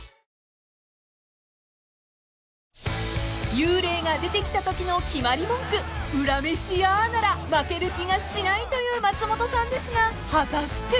［幽霊が出てきたときの決まり文句「うらめしや」なら負ける気がしないという松本さんですが果たして！？］